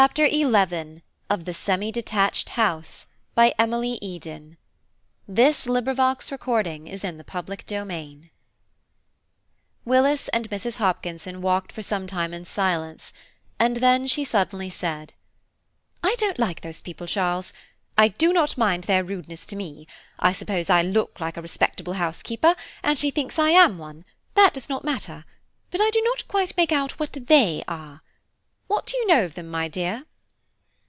"Then some deceit is intended," was the shrewd woman's thought, and she made up her mind to watch. CHAPTER XI WILLIS and Mrs. Hopkinson walked for some time in silence, and then she suddenly said, "I don't like those people, Charles. I do not mind their rudeness to me; I suppose I look like a respectable housekeeper, and she thinks I am one–that does not matter; but I do not quite make out what they are. What do you know of them, my dear?"